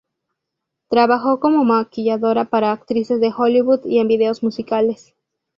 Trabajó como maquilladora para actrices de Hollywood y en vídeos musicales.